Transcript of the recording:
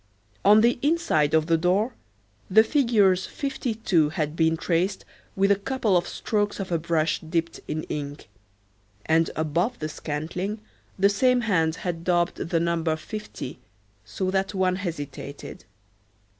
On the inside of the door the figures 52 had been traced with a couple of strokes of a brush dipped in ink, and above the scantling the same hand had daubed the number 50, so that one hesitated.